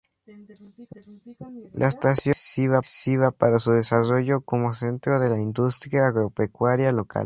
La estación fue decisiva para su desarrollo como centro de la industria agropecuaria local.